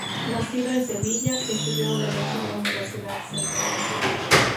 Nacido en Sevilla, estudió Derecho en la Universidad Central.